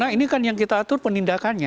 nah ini kan yang kita atur penindakannya